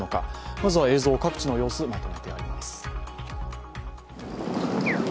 まずは映像、各地の様子まとめてあります。